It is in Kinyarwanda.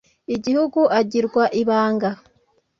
igihugu agirwa ibanga